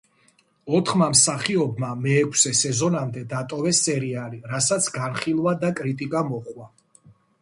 ოთხმა მსახიობმა მეექვსე სეზონამდე დატოვეს სერიალი რასაც განხილვა და კრიტიკა მოჰყვა.